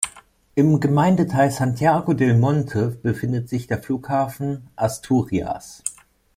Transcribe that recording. Im Gemeindeteil Santiago del Monte befindet sich der Flughafen Asturias.